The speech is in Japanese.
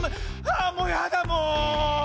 あもうやだもう！